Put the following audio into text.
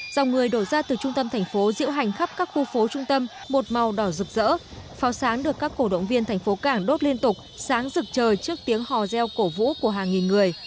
dòng người đổ ra từ trung tâm thành phố diễu hành khắp các khu phố trung tâm một màu đỏ rực rỡ pháo sáng được các cổ động viên thành phố cảng đốt liên tục sáng rực trời trước tiếng hò reo cổ vũ của hàng nghìn người